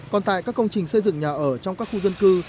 còn tại các công trình xây dựng nhà ở trong các khu dân cư